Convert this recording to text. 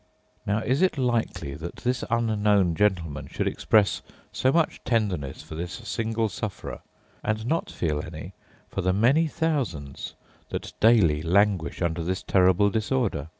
Now is it likely that this unknown gentleman should express so much tenderness for this single sufferer, and not feel any for the many thousands that daily languish under this terrible disorder?